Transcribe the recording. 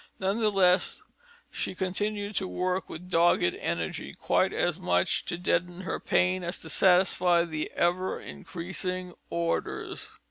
None the less, she continued to work with dogged energy, quite as much to deaden her pain as to satisfy the ever increasing orders.